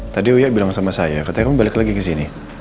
tadi uyak bilang sama saya kata kamu balik lagi kesini